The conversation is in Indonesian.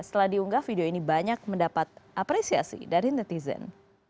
setelah diunggah video ini banyak mendapat apresiasi dari netizen